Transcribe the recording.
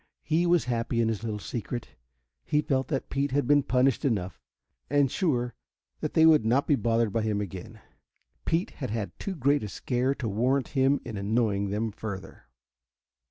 He was happy in his little secret. He felt that Pete had been punished enough, and was sure that they would not be bothered by him again. Pete had had too great a scare to warrant him in annoying them further.